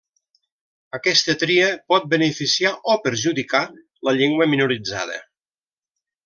Aquesta tria pot beneficiar o perjudicar la llengua minoritzada.